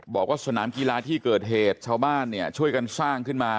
บอกว่าสนามกีฬาที่เกิดเหตุชาวบ้านเนี่ยช่วยกันสร้างขึ้นมา